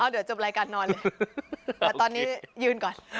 เดี๋ยวจบรายการนอนเลยแต่ตอนนี้ยืนก่อน